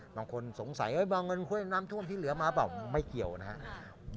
บางคนสงสัยบางเงินห้วยน้ำท่วมที่เหลือมาเปล่าไม่เกี่ยวนะครับ